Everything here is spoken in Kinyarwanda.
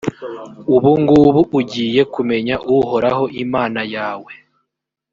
ubu ngubu ugiye kumenya uhoraho imana yawe.